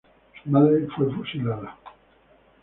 Su madre fue fusilada.